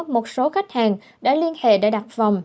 một số khách hàng đã liên hệ để đặt vòng